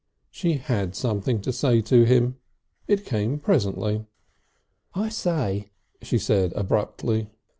She had something to say to him. It came presently. "I say," she said abruptly.